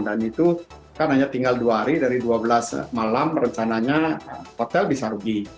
dan itu kan hanya tinggal dua hari dari dua belas malam rencananya hotel bisa rugi